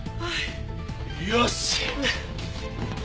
よし！